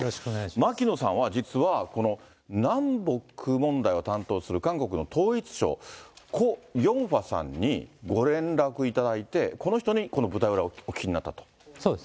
牧野さんは、実はこの南北問題を担当する韓国の統一相、コ・ヨンファさんにご連絡いただいて、この人にこの舞台裏をお聞きになったと。